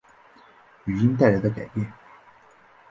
语音带来的改变